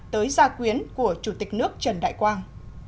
tới gia quyến của chủ tịch nước trần đại quang